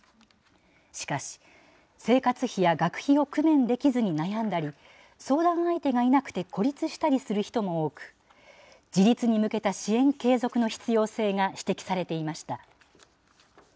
しかし、生活費や学費を工面できずに悩んだり、相談相手がいなくて孤立したりする人も多く、自立に向けた支援継続の必要性が指摘されていました。